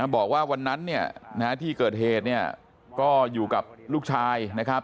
บอกว่าวันนั้นเนี่ยที่เกิดเหตุเนี่ยก็อยู่กับลูกชายนะครับ